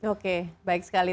oke baik sekali